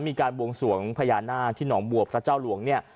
มีการบวงสวงพญานาคที่หนองบัวพระเจ้าหลวงเนี่ย